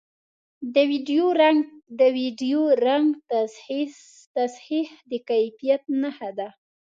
د ویډیو رنګ تصحیح د کیفیت نښه ده